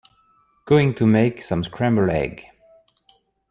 Going to make some scrambled egg.